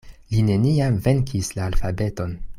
Li neniam venkis la alfabeton.